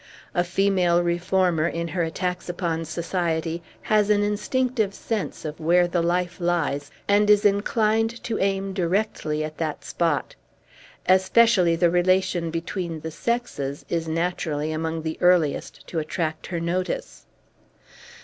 A female reformer, in her attacks upon society, has an instinctive sense of where the life lies, and is inclined to aim directly at that spot. Especially the relation between the sexes is naturally among the earliest to attract her notice.